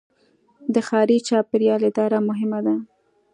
د ښاري چاپیریال اداره مهمه ده.